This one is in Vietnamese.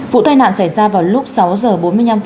vụ tai nạn xảy ra vào lúc sáu h bốn mươi năm